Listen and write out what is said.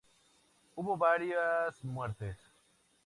Hubo varias muertes.